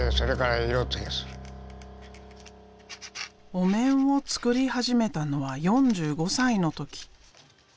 お面を作り始めたのは４５歳の時。